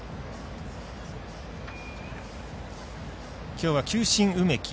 きょうは球審、梅木。